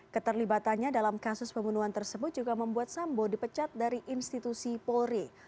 keterlibatannya dalam kasus pembunuhan tersebut juga membuat sambo dipecat dari institusi polri